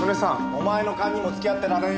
お前の勘にも付き合ってられんよ。